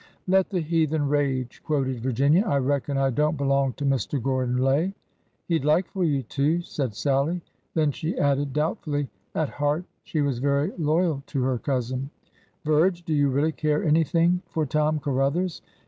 ''' Let the heathen rage,' " quoted Virginia. I reckon I don't belong to Mr. Gordon Lay." '' He 'd like for you to," said Sallie. Then she added doubtfully— at heart she was very loyal to her cousin: '' Virge, do you really care anything for Tom Ca ruthers